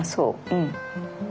うん。